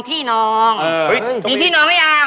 พี่น้องมีพี่น้องไหมยัง